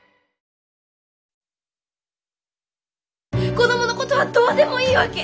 子供のことはどうでもいいわけ！？